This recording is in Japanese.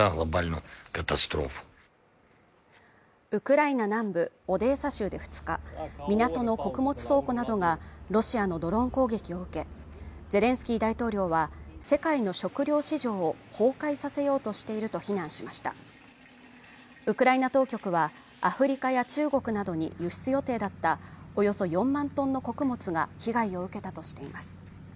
ウクライナ南部オデーサ州で２日港の穀物倉庫などがロシアのドローン攻撃を受けゼレンスキー大統領は世界の食糧市場を崩壊させようとしていると非難しましたウクライナ当局はアフリカや中国などに輸出予定だったおよそ４万トンの穀物が被害を受けたとしています